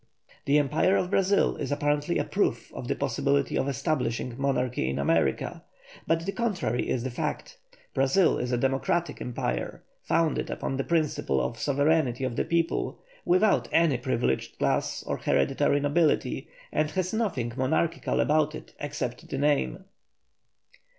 The Empire of Brazil is apparently a proof of the possibility of establishing monarchy in America, but the contrary is the fact. Brazil is a democratic empire, founded upon the principle of the sovereignty of the people, without any privileged class or hereditary nobility, and has nothing monarchical about it except the name.